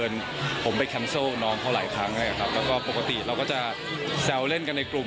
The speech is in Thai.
ต้องขอโทษน้องสาวนะจ๊ะวันหลังจะมีเวลาให้มากกว่านี้นะครับ